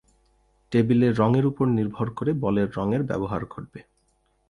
টেবিলের রঙের উপর নির্ভর করে বলের রঙের ব্যবহার ঘটবে।